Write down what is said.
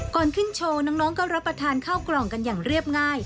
ก่อนขึ้นโชว์น้องก็รับประทานข้าวกล่องกันอย่างเรียบง่าย